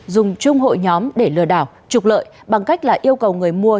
dùng chung hội nhóm để lừa đảo trục lợi bằng cách là yêu cầu người mua